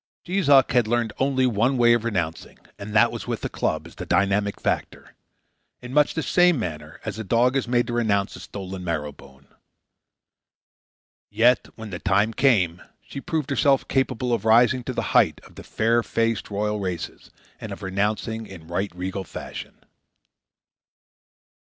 Jees Uck had learned only one way of renouncing, and that was with a club as the dynamic factor, in much the same manner as a dog is made to renounce a stolen marrow bone. Yet, when the time came, she proved herself capable of rising to the height of the fair faced royal races and of renouncing in right regal fashion.